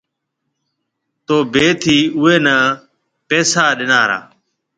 تو بي ٿَي اوَي نَي پيسآ ڏِنا را؟